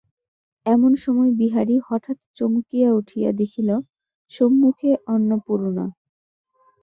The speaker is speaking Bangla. এমন সময় বিহারী হঠাৎ চমকিয়া উঠিয়া দেখিল, সম্মুখে অন্নপূর্ণা।